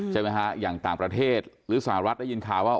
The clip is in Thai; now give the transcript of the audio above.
ใช่ไหมฮะอย่างต่างประเทศหรือสหรัฐได้ยินข่าวว่า